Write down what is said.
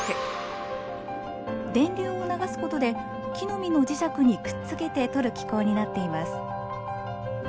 電流を流すことで木の実の磁石にくっつけてとる機構になっています。